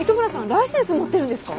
ライセンス持ってるんですか？